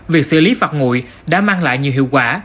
việc xử lý phạt ngụy đã mang lại nhiều hiệu quả